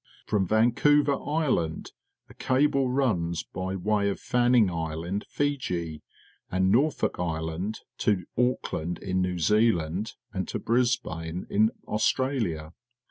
From Vancouver Island a cable runs by way of Fanning Island, Fiji, and Norfolk Island to Auckland in New Zealand and to Brisbane m AustraUa.